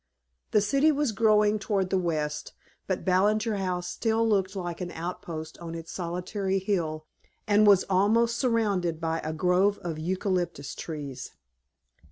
The city was growing toward the west, but Ballinger House still looked like an outpost on its solitary hill and was almost surrounded by a grove of eucalyptus trees.